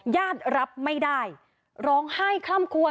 ญาติรับไม่ได้ร้องไห้คล่ำควน